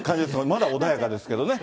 まだ穏やかですけどね。